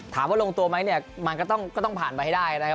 ลงตัวไหมเนี่ยมันก็ต้องผ่านไปให้ได้นะครับ